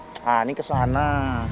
nah ini ke sana